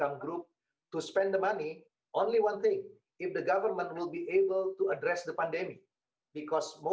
untuk menggabungkan kedua duanya keselamatan dan penyelamat ekonomi